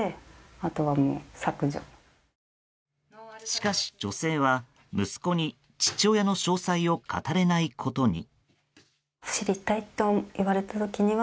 しかし女性は、息子に父親の詳細を語れないことに。